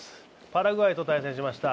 パラグアイと対戦しました。